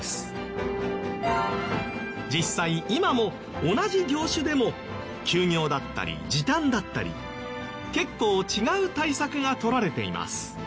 実際今も同じ業種でも休業だったり時短だったり結構違う対策がとられています。